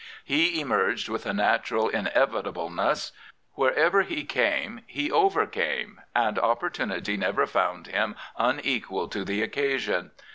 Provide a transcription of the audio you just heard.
He emerged with a natural inevitable ness. Wherever he came he overcame, and oppor tunity never found him unequal to the occasion.